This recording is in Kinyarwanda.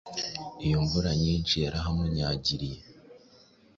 Iyo mvura nyinshi yarahamunyagiriye